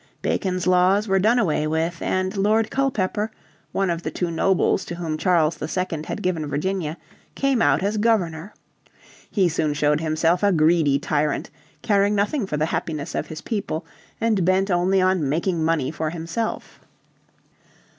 Bacon's Laws were done away with and Lord Culpeper, one of the two nobles to whom Charles II had given Virginia, came out as Governor. He soon showed himself a greedy tyrant, caring nothing for the happiness of his people, and bent only on making money for himself.